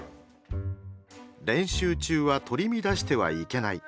練習中は取り乱してはいけない。